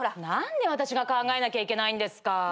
何で私が考えなきゃいけないんですか。